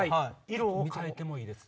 色を換えてもいいです。